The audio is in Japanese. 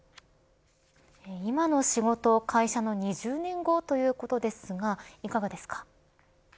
今の仕事、会社の２０年後ということですがいかがですか。